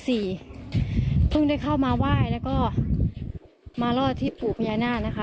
เพิ่งได้เข้ามาไหว้แล้วก็มารอดที่ปู่พญานาคนะคะ